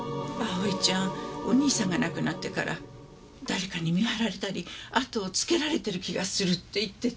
蒼ちゃんお兄さんが亡くなってから誰かに見張られたり後をつけられてる気がするって言ってて。